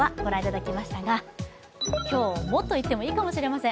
今日は今日もと言ってもいいかもしれません。